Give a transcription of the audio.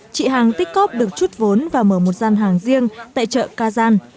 chị hằng tích cóp được chút vốn và mở một gian hàng riêng tại chợ cà gian